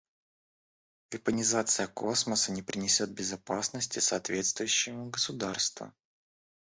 Вепонизация космоса не принесет безопасности соответствующему государству.